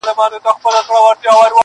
قاضي و ویله هیڅ پروا یې نسته,